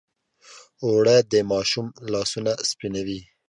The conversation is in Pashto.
اوړه د ماشوم لاسونه سپینوي